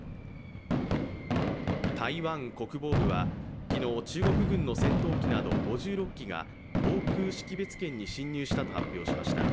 台湾国防部は昨日、中国軍の戦闘機など５６機が防空識別圏に侵入したと発表しました。